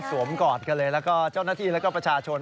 สวมกอดกันเลยแล้วก็เจ้านาธิและประชาชน